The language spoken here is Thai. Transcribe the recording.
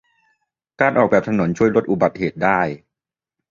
การออกแบบถนนช่วยลดอุบัติเหตุได้